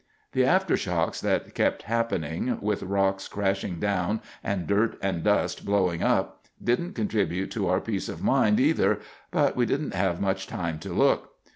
"The after shocks that kept happening—with rocks crashing down and dirt and dust blowing up—didn't contribute to our peace of mind, either. But we didn't have much time to look.